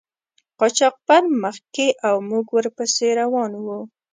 قاچاقبر مخکې او موږ ور پسې روان وو.